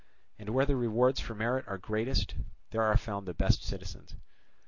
And where the rewards for merit are greatest, there are found the best citizens.